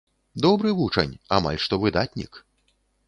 Добры вучань, амаль што выдатнік.